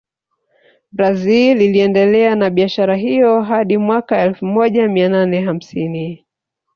Brazil iliendelea na biashara hiyo hadi mwaka elfu moja mia nane hamsini